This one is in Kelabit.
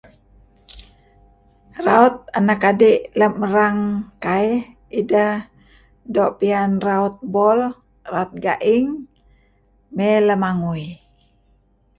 Raut anak adi' lem erang kaih ideh doo' piyan raut boll, raut ga'ing, mey lamangui.